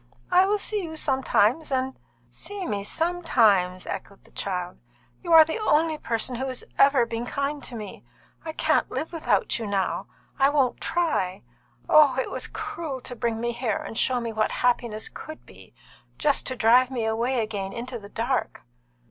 "I will see you sometimes, and " "See me sometimes!" echoed the child. "You are the only person who has ever been kind to me. I can't live without you now. I won't try. Oh, it was cruel to bring me here and show me what happiness could be, just to drive me away again into the dark!"